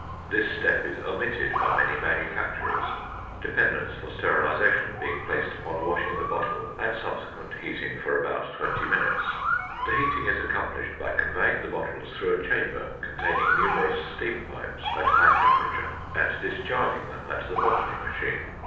This step is omitted by many manufacturers, dependence for sterilization being placed upon washing the bottle and subsequent heating for about twenty minutes. The heating is accomplished by conveying the bottles through a chamber containing numerous steam pipes at high temperature and discharging them at the bottling machine.